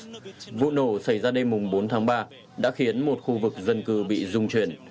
bangladesh vụ nổ xảy ra đêm bốn tháng ba đã khiến một khu vực dân cư bị rung truyền